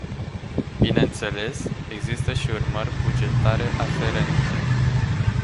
Bineînțeles, există și urmări bugetare aferente.